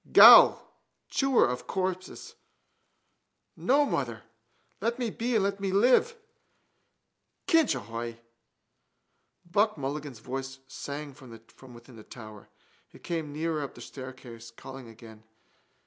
_ Ghoul! Chewer of corpses! No, mother! Let me be and let me live. —Kinch ahoy! Buck Mulligan's voice sang from within the tower. It came nearer up the staircase, calling again.